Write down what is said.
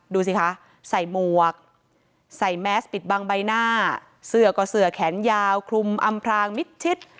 ดูสิคะใส่หมวกใส่แมสปิดบังใบหน้าเสื้อก็เสือแขนยาวคลุมอำพรางมิดชิด